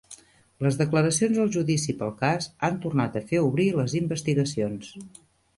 Les declaracions al judici pel cas han tornat a fer obrir les investigacions